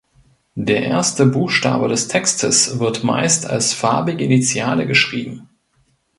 Der erste Buchstabe des Textes wird meist als farbige Initiale geschrieben.